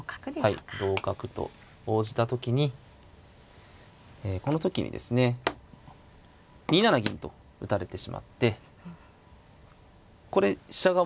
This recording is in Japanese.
はい同角と応じた時にこの時にですね２七銀と打たれてしまってこれ飛車がもう。